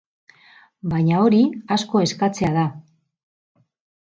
Baina hori asko eskatzea da.